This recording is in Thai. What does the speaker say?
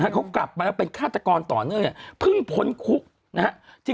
เขากลับมาแล้วเป็นฆาตกรต่อเนื่องเพิ่งพ้นคุกนะฮะ